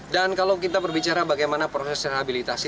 kalau kita berbicara bagaimana proses rehabilitasi